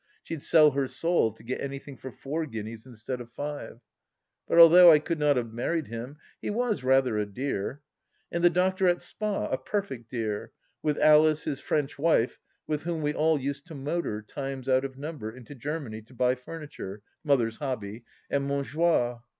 She'd sell her soul to get anything for four guineas instead of five. But although I could not have married him, he was rather a dear. And the doctor at Spa — ^a perfect dear — with Alice, his French wife, with whom we all used to motor, times out of number, into Germany, to buy furniture — Mother's hobby — at Mont joie.